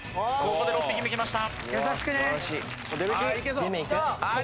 ここで出目金きました！